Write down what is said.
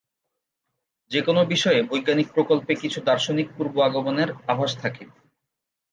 যে কোন বিষয়ে বৈজ্ঞানিক প্রকল্পে কিছু দার্শনিক পূর্ব আগমনের আভাস থাকে।